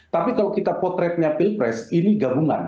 tapi kalau kita potretnya pilpres ini gabungan